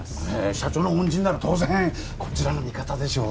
社長の恩人なら当然こちらの味方でしょう